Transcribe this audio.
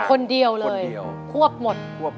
คนเดียวเลยควบหมด